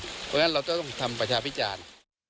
เพราะฉะนั้นเราต้องทำประชาพิจารณ์